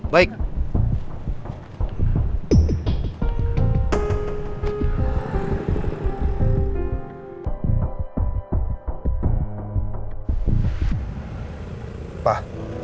baik musim bakar